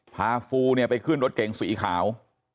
ฟูเนี่ยไปขึ้นรถเก๋งสีขาว